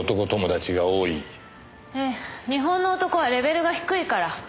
ええ日本の男はレベルが低いから。